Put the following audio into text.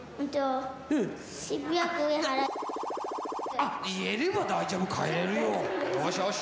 うんと、言えれば大丈夫、帰れるよ。